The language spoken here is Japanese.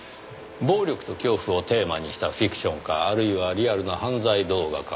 暴力と恐怖をテーマにしたフィクションかあるいはリアルな犯罪動画か。